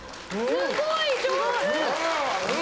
すごい上手！